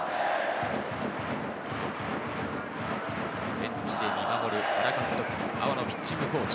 ベンチで見守る原監督、阿波野ピッチングコーチ。